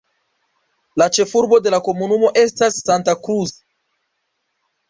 La ĉefurbo de la komunumo estas Santa Cruz.